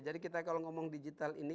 jadi kalau kita ngomong digital ini